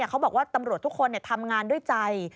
เขาบอกว่าตำรวจทุกคนทำงานด้วยใจ